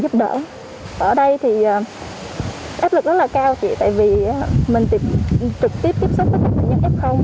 giúp đỡ ở đây thì áp lực rất là cao thì tại vì mình trực tiếp tiếp xúc với một bệnh nhân f